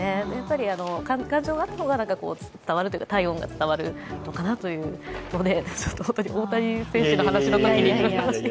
感情があった方が伝わるというか、体温が伝わるという、大谷選手の話のときに自分の話。